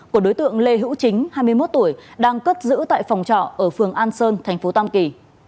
của đối tượng lê hữu chính hai mươi một tuổi đang cất giữ tại phòng trọ ở phường an sơn thành phố tam kỳ